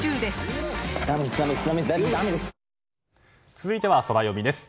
続いてはソラよみです。